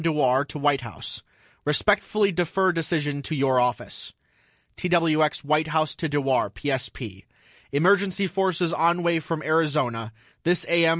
DEWAR TO WHITE HOUSE: RESPECTFULLY DEFER DECISION TO YOUR OFFICE TWX WHITE HOUSE TO DEWAR PSP: EMERGENCY FORCES ON WAY FROM ARIZONA THIS A.M.